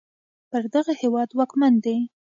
پر دغه هېواد واکمن دی